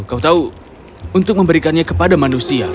kau tahu untuk memberikannya kepada manusia